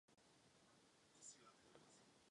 Jan Otto byl manželem jeho sestřenice.